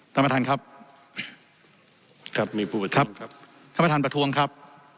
ท่านประธานครับ